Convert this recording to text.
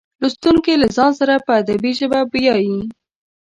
لوستونکي له ځان سره په ادبي ژبه بیایي.